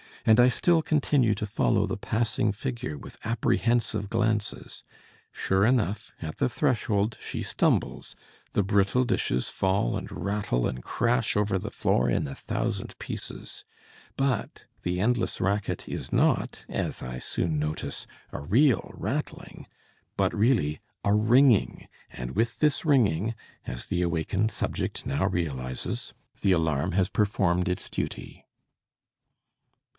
and I still continue to follow the passing figure with apprehensive glances. Sure enough, at the threshold she stumbles the brittle dishes fall and rattle and crash over the floor in a thousand pieces. But the endless racket is not, as I soon notice, a real rattling, but really a ringing and with this ringing, as the awakened subject now realizes, the alarm has performed its duty."